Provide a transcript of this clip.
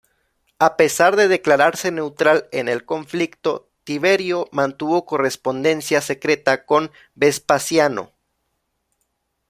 A pesar de declararse neutral en el conflicto, Tiberio mantuvo correspondencia secreta con Vespasiano.